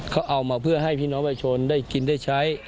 เขาเอามาเพื่อให้พี่น้องประชาชนได้กินได้ใช้